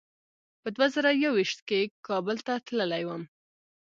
په دوه زره یو ویشت کې کابل ته تللی وم.